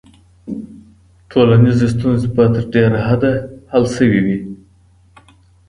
ټولنيزې ستونزې به تر ډېره حده حل سوي وي.